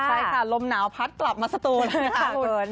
ใช่ค่ะลมหนาวพัดกลับมาสักตัวเลยนะคะขอบคุณ